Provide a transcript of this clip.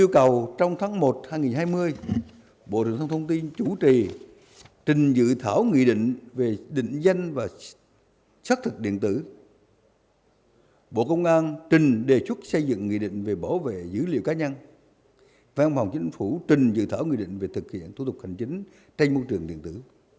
cả nhân văn phòng chính phủ trình dự thở nguy định về thực hiện thủ tục hành chính trên môi trường điện tử